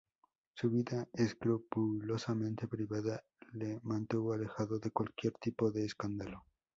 Su vida escrupulosamente privada le mantuvo alejado de cualquier tipo de escándalo.